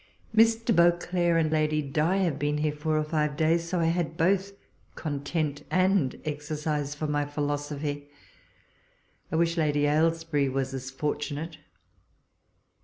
Mr. Beauclerk and Lady Di have been here four or five days — so I had both content and ex ercise for my philosophy. I wish Lady Ailes bury was as fortunate